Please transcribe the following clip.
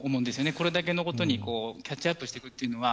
これだけのことにキャッチアップしていくというのは。